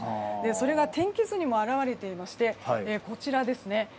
それが天気図にも表れていましてこちらですね。